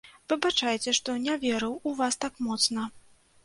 Выбачайце, што не верыў у вас так моцна.